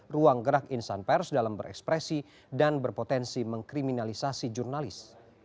ruang gerak insan pers dalam berekspresi dan berpotensi mengkriminalisasi jurnalis